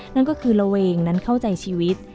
นั่นก็คือระเวงนั้นเข้าใจชีวิต